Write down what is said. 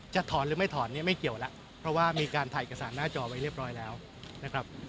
ถอนหรือไม่ถอนเนี่ยไม่เกี่ยวแล้วเพราะว่ามีการถ่ายเอกสารหน้าจอไว้เรียบร้อยแล้วนะครับ